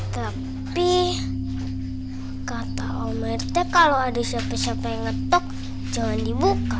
tapi kata ometnya kalau ada siapa siapa yang ngetok jangan dibuka